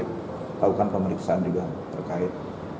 melakukan pemeriksaan juga terkait